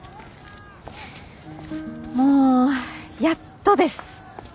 もうやっとです。